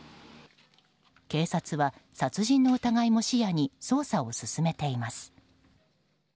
警察は、殺人の疑いも視野に捜査を進めています。